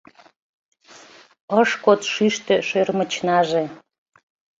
Ыш код шӱштӧ шӧрмычнаже -